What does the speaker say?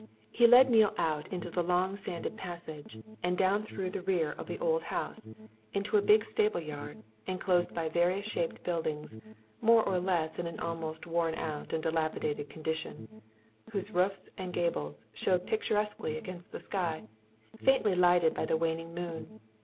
He led Neale out into the long sanded passage, and down through the rear of the old house into a big stable yard, enclosed by variously shaped buildings, more or less in an almost worn out and dilapidated condition, whose roofs and gables showed picturesquely against the sky, faintly lighted by the waning moon.